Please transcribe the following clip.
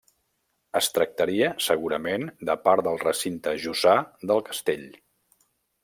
Es tractaria segurament de part del recinte jussà del castell.